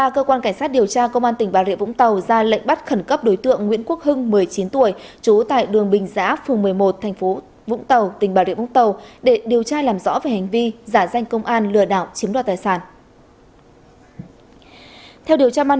các bạn hãy đăng ký kênh để ủng hộ kênh của chúng mình nhé